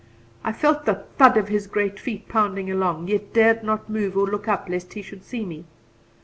I felt the thud of his great feet pounding along, yet dared not move or look up lest he should see me.